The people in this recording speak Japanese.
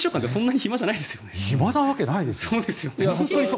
暇なわけないですよ。